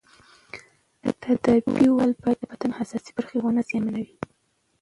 تاديبي وهل باید د بدن حساسې برخې ونه زیانمنوي.